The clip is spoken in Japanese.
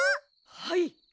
はい。